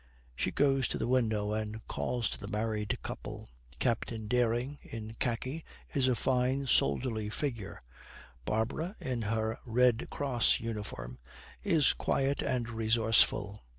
She goes to the window and calls to the married couple. Captain Dering, in khaki, is a fine soldierly figure. Barbara, in her Red Gross uniform, is quiet and resourceful.